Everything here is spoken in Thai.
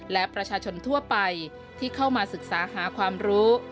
และประชาชนทั่วไปที่เข้ามาศึกษาหาความรู้